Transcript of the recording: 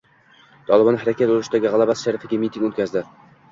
“Tolibon” harakati urushdagi g‘alabasi sharafiga miting o‘tkazdi